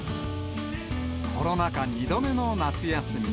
コロナ禍２度目の夏休み。